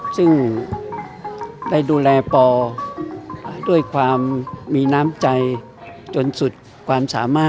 ซึ่งได้ดูแลปอร์ด้วยความมีนักศึกษา